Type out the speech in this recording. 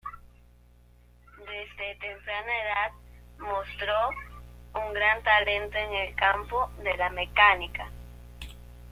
Desde temprana edad mostró un gran talento en el campo de la mecánica.